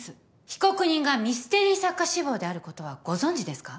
被告人がミステリー作家志望であることはご存じですか？